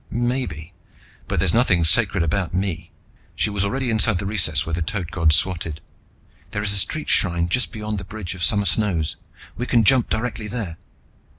"Maybe. But there's nothing sacred about me!" She was already inside the recess where the Toad God squatted. "There is a street shrine just beyond the Bridge of Summer Snows. We can jump directly there."